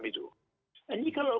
selesaikan di dalam itu